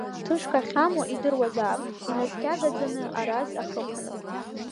Тышк ахьамо идыруазаап, инаскьагаӡаны, арас ахаԥаны.